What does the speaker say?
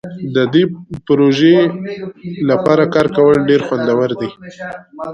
د دې پروژې لپاره کار کول ډیر خوندور دي.